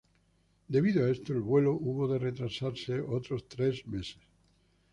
Debido a esto, el vuelo hubo de retrasarse otros tres meses.